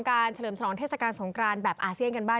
การเฉลิมรอร์มเทศกาลสงครานแบบอาเซียนกันบ้าง